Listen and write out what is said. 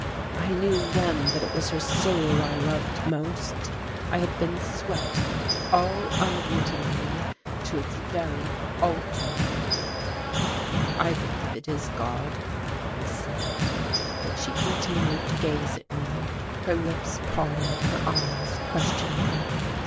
I knew then that it was her soul I loved most; I had been swept all unwittingly to its very altar. "I believe it is God," I said. But she continued to gaze at me, her lips parted, her eyes questioning.